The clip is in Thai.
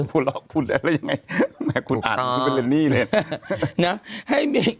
หัวเล่าพูดแล้วยังไงแม้คุณอ่านมันเป็นเรนนี่เลย